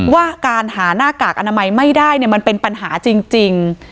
ว่าการหาหน้ากากอนามัยไม่ได้มันเป็นปัญหาจริง